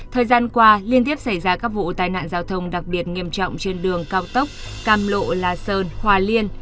thời gian qua liên tiếp xảy ra các vụ tai nạn giao thông đặc biệt nghiêm trọng trên đường cao tốc cam lộ la sơn hòa liên